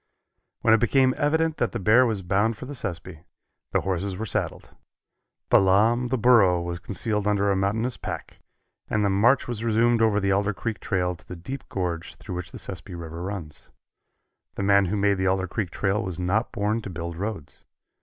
When it became evident that the bear was bound for the Sespe, the horses were saddled. Balaam the Burro was concealed under a mountainous pack, and the march was resumed over the Alder Creek trail to the deep gorge through which the Sespe River runs. The man who made the Alder Creek trail was not born to build roads.